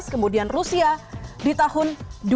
kemudian rusia di tahun dua ribu